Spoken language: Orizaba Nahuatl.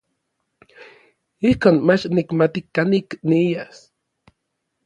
Ijkon mach nikmati kanik nias.